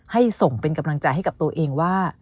ส่งเป็นกำลังใจให้กับตัวเองว่า